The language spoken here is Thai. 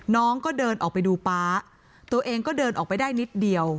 น้องก็เดินออกไปดูป๊าตัวเองก็เดินออกไปได้นิดเดียว